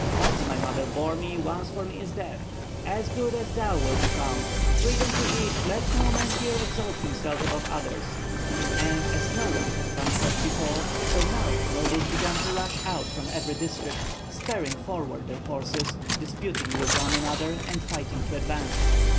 "Once my mother bore me, once for me is death!" "As good as thou will be found!" "Freedom to each. Let no man here exalt himself above others." And as no one had come forth before, so now nobles began to rush out from every district, spurring forward their horses, disputing with one another and fighting to advance.